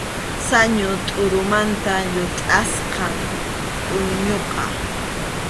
Sañu tʼurumanta llutʼasqam pʼuyñuqa.